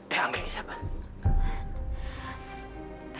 eh anggrek siapa